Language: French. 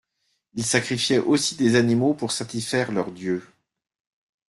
Ils sacrifiaient aussi des animaux pour satisfaire leurs dieux.